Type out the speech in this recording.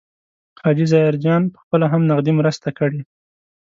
حاجي ظاهرجان پخپله هم نغدي مرستې کړي.